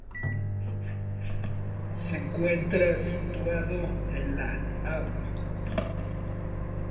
Se encuentra situado en la "Av.